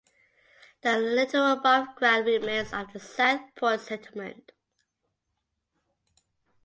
There are little above ground remains of the South Point Settlement.